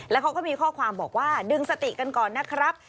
แล้วเขาก็มีข้อความบอกว่าดึงสติกันก่อนนะครับ